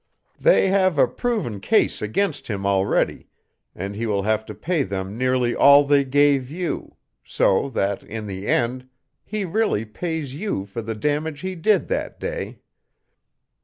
"They have a proven case against him already, and he will have to pay them nearly all they gave you so that, in the end, he really pays you for the damage he did that day.